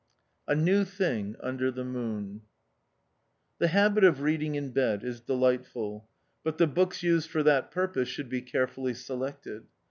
A NEW THING UNDER THE MOON. The habit of reading in bed is delight ful, but the books used for that purpose should be carefully selected.